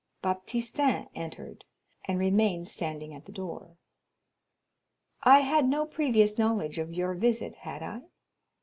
Baptistin entered, and remained standing at the door. "I had no previous knowledge of your visit, had I?"